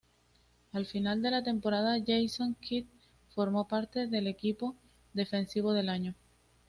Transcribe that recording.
Al final de la temporada, Jason Kidd formó parte del equipo defensivo del año.